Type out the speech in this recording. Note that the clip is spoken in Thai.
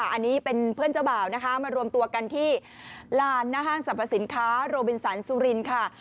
อันนี้เป็นเพื่อนเจ้าบ่าวนะคะมารวมตัวกันที่ลานหน้าห้างสรรพสินค้าโรบินสันสุรินทร์ค่ะ